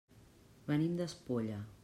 Venim d'Espolla.